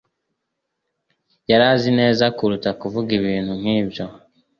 Yari azi neza kuruta kuvuga ibintu nkibyo.